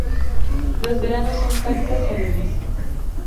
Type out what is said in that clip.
Los veranos son cálidos a leves.